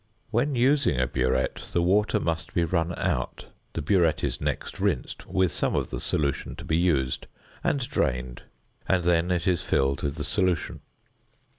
When using a burette, the water must be run out; the burette is next rinsed with some of the solution to be used, and drained; and then it is filled with the solution.